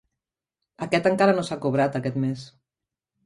Aquest encara no s'ha cobrat aquest mes.